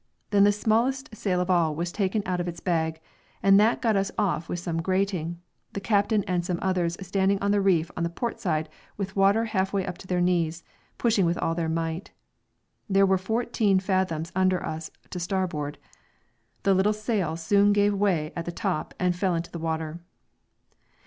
Then the smallest sail of all was taken out of its bag, and that got us off with some grating, the captain and some others standing on the reef on the port side with water half up to their knees, pushing with all their might. There were fourteen fathoms under us to starboard. The little sail soon gave way at the top and fell into the water.